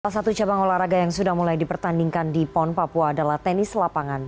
satu cabang olahraga yang sudah mulai dipertandingkan di pon papua adalah tenis lapangan